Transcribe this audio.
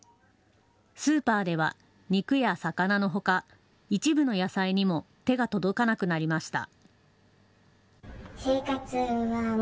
スーパーでは肉や魚のほか一部の野菜にも手が届かなくなりました。